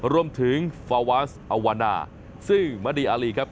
รวมถึงฟาวาสอวานาซื่อมดีอารีครับ